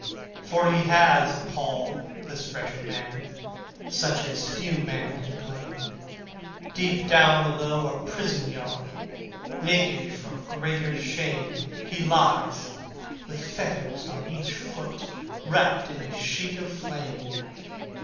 For he has a pall, this wretched man, Such as few men can claim: Deep down below a prison yard, Naked, for greater shame, He lies, with fetters on each foot, Wrapt in a sheet of flame!